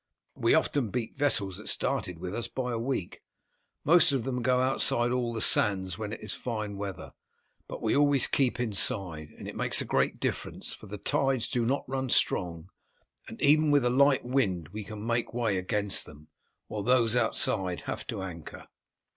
We often beat vessels that started with us, by a week. Most of them go outside all the sands when it is fine weather, but we always keep inside; and it makes a great difference, for the tides do not run so strong, and even with a light wind we can make way against them, while those outside have to anchor."